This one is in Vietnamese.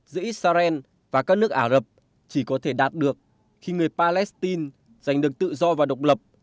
giữa israel và các nước ả rập chỉ có thể đạt được khi người palestine giành được tự do và độc lập